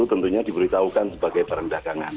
itu tentunya diberitahukan sebagai perdagangan